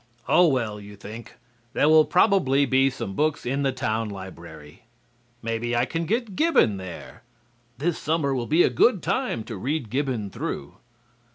"Oh, well," you think, "there will probably be some books in the town library. Maybe I can get Gibbon there. This summer will be a good time to read Gibbon through."